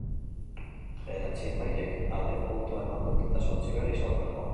Bederatzi epailek aldeko botoa eman dute eta zortzik, berriz, aurkakoa.